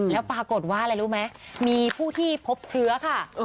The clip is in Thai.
แล้วปรากฏว่าอะไรรู้ไหมมีผู้ที่พบเชื้อค่ะ